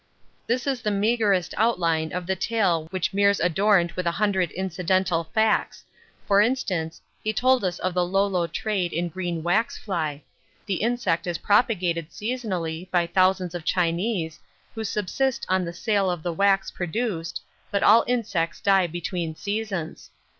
This is the meagrest outline of the tale which Meares adorned with a hundred incidental facts for instance, he told us of the Lolo trade in green waxfly the insect is propagated seasonally by thousands of Chinese who subsist on the sale of the wax produced, but all insects die between seasons.